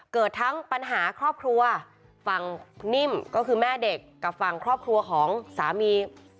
เกิดทั้งปัญหาครอบครัวฝั่งนิ่มก็คือแม่เด็กกับฝั่งครอบครัวของสามี